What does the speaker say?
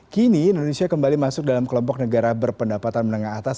kini indonesia kembali masuk dalam kelompok negara berpendapatan menengah atas